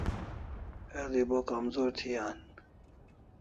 El'i bo kamzor thi an